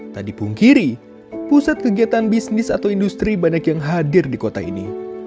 tak dipungkiri pusat kegiatan bisnis atau industri banyak yang hadir di kota ini